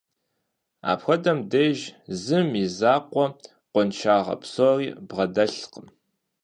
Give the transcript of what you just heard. Апхуэдэм деж зым и закъуэ къуаншагъэ псори бгъэдэлъкъым.